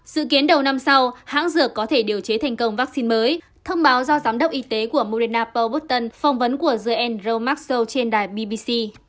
dự kiến đầu năm sau hãng dược có thể điều chế thành công vaccine mới thông báo do giám đốc y tế của moderna paul button phòng vấn của j andrew maxwell trên đài bbc